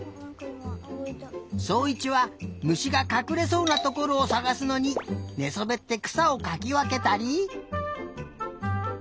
そういちはむしがかくれそうなところをさがすのにねそべってくさをかきわけたり。